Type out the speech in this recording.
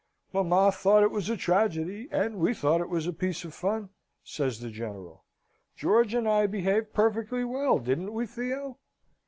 "Mamma thought it was a tragedy, and we thought it was a piece of fun," says the General. "George and I behaved perfectly well, didn't we, Theo?"